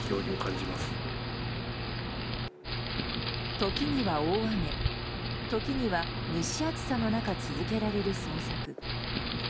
時には大雨時には蒸し暑さの中続けられる捜索。